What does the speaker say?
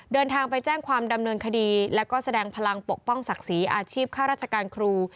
เดินทางไปแจ้งความดำเนินคดีแล้วก็แสดงพลังปกป้องศักดิ์ศรีอาชีพข้าราชการครู